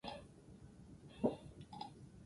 Bertan, futbola ez da kirol ezagunena, beisbola baizik.